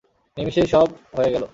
নিমিষেই সব হয়ে গেল।